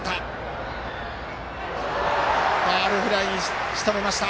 ファウルフライにしとめました。